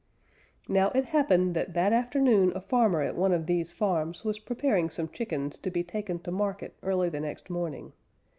Now it happened that that afternoon a farmer at one of these farms was preparing some chickens to be taken to market early the next morning.